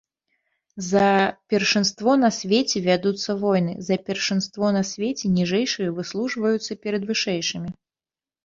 За першынство на свеце вядуцца войны, за першынство на свеце ніжэйшыя выслужваюцца перад вышэйшымі.